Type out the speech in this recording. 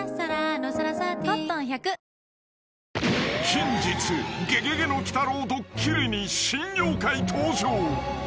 ［近日『ゲゲゲの鬼太郎』ドッキリに新妖怪登場］